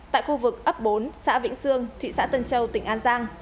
tại khu vực ấp bốn xã vĩnh sương thị xã tân châu tỉnh an giang